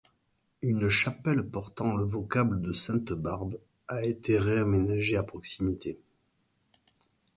Une chapelle portant le vocable de sainte Barbe a été réaménagée à proximité.